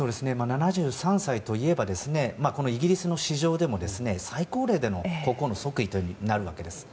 ７３歳といえばイギリスの史上でも最高齢での国王の即位となるわけです。